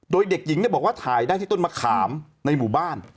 โดยเด็กหญิงบอกว่าถ่ายได้ที่ต้นมะขามในหมู่บ้าน